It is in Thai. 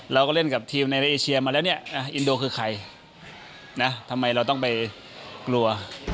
เราก็เล่นกับทีมในเอเชียมาแล้วเนี่ยอินโดคือใครนะทำไมเราต้องไปกลัว